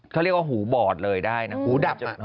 เขาเรียกว่าหูบอดเลยได้นะหูดับ